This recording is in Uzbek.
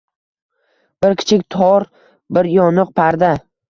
Bir kichik tor, bir yoniq parda